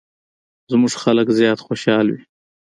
زموږ خلک زیات خوشحال وي.